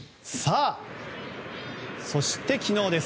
そして、昨日です。